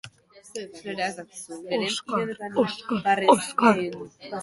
Hiru urte beranduago, nazioarteko bere lehen bulegoa zabaldu zuen Londresen.